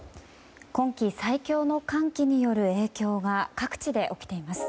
今季最強の寒気による影響が各地で起きています。